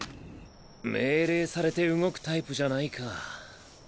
命令されて動くタイプじゃないか。